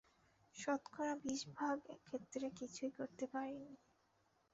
শতকরা বিশ ভাগ ক্ষেত্রে কিছুই করতে পারিনি।